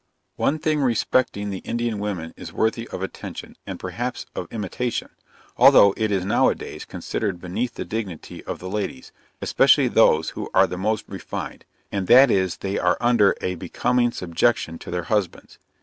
One thing respecting the Indian women is worthy of attention, and perhaps of imitation, although it is now a days considered beneath the dignity of the ladies, especially those who are the most refined; and that is, they are under a becoming subjection to their husbands.